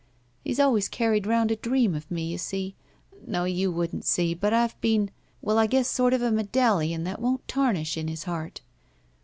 He's always carried rotmd a dream of me, you see — no, you wouldn't see, but I've been — well, I guess sort of a medallion that won't tarnish in his heart.